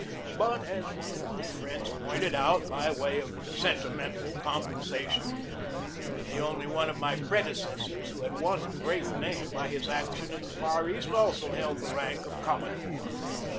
But, as one of my friends pointed out, by way of a sentimental compensation, the only one of my predecessors who had won great name by his action in the Far East also held the rank of commodore.